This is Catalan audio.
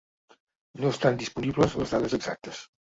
No estan disponibles les dades exactes.